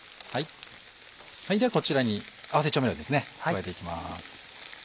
こちらに合わせ調味料ですね加えて行きます。